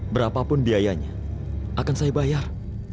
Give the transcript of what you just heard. berapa pun biayanya akan saya bayar